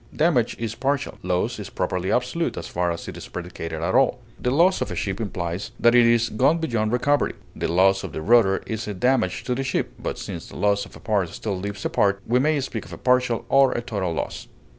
Damage is partial; loss is properly absolute as far as it is predicated at all; the loss of a ship implies that it is gone beyond recovery; the loss of the rudder is a damage to the ship; but since the loss of a part still leaves a part, we may speak of a partial or a total loss.